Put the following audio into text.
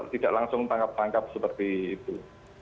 tidak langsung tangkap tangkap seperti itu